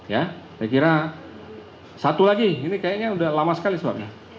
saya kira satu lagi ini kayaknya sudah lama sekali suapnya